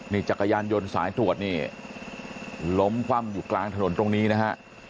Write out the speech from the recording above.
นี่จักรยานยนต์สายตรวจนี่ล้มคว่ำอยู่กลางถนนตรงนี้นะฮะ